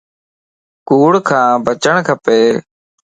ڪوڙ کان بچڻ کپ